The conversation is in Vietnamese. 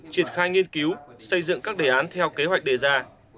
triển khai nghiên cứu xây dựng các đề án theo kế hoạch đề ra